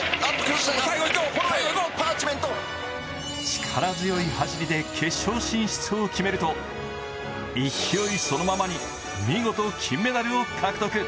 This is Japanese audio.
力強い走りで決勝進出を決めると勢いそのままに、見事金メダルを獲得。